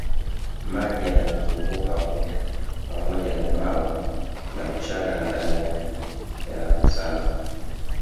Maji yanayozunguka humo pamoja na mawe na mchanga ndani yake yanasuguana